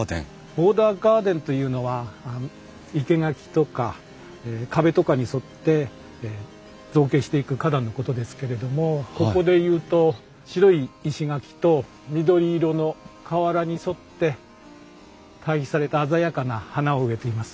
ボーダーガーデンというのは生け垣とか壁とかに沿って造形していく花壇のことですけれどもここでいうと白い石垣と緑色の瓦に沿って対比された鮮やかな花を植えています。